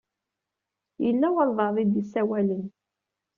Yella walebɛaḍ i d-isawalen.